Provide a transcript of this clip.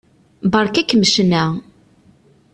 Beṛka-kem ccna.